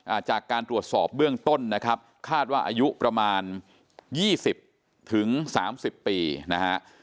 อ่าจากการตรวจสอบเบื้องต้นนะครับคาดว่าอายุประมาณยี่สิบถึงสามสิบปีนะฮะ